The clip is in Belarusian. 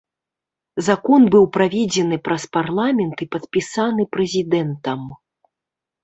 Закон быў праведзены праз парламент і падпісаны прэзідэнтам.